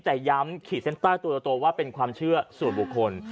แต่ย้ำขีดเส้นใต้ตัวว่าเป็นความเชื่อส่วนบุคคล